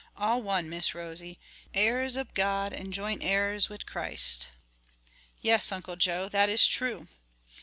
all one, Miss Rosie: heirs ob God and joint heirs wid Christ." "Yes, Uncle Joe, that is true."